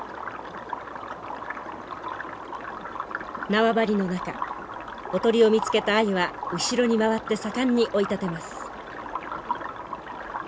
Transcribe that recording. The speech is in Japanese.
縄張りの中おとりを見つけたアユは後ろに回って盛んに追い立てます。